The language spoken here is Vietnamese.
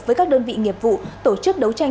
với các đơn vị nghiệp vụ tổ chức đấu tranh